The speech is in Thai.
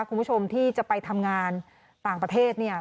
คุณผู้ชมที่จะไปทำงานต่างประเทศเนี่ย